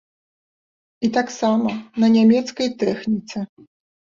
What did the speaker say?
І таксама на нямецкай тэхніцы!